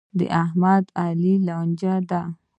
د احمد او علي لانجه ده.